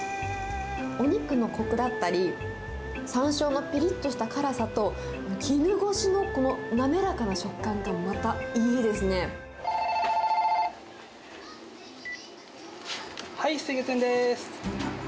お肉のこくだったり、さんしょうのぴりっとした辛さと、絹ごしのこの滑らかな食感がまたいいですはい、酔月園です。